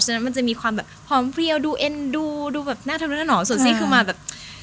ฉะนั้นมันจะมีความแบบพร้อมเพี้ยวดูเอนดูดูแบบน่าจะมีหน่อส่วนซี่ก็มาแบบ